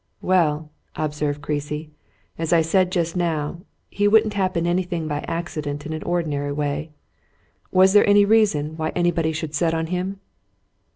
"Well," observed Creasy, "as I said just now, he wouldn't happen anything by accident in an ordinary way. Was there any reason why anybody should set on him?"